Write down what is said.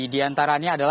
jadi diantaranya ada